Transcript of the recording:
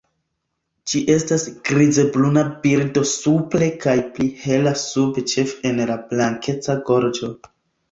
Ĝi estas grizbruna birdo supre kaj pli hela sube ĉefe en la blankeca gorĝo.